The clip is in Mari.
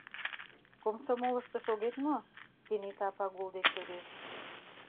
— Комсомолышто шогет мо? — кенета Пагул деч йодеш...